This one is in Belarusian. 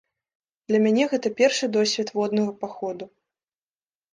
Для мяне гэта першы досвед воднага паходу.